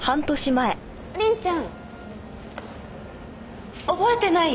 凛ちゃん？覚えてない？